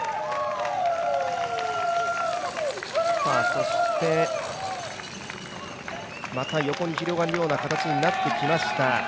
そして、また横に広がるような形になってきました。